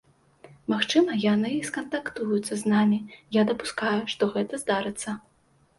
Магчыма, яны скантактуюцца з намі, я дапускаю, што гэта здарыцца.